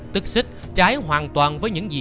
tức xích trái hoàn toàn với những gì